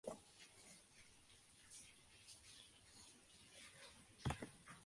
El Know-How de esta aerolínea procedía de la aerolínea francesa Air Charter.